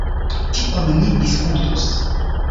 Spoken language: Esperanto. Tion ni diskutos.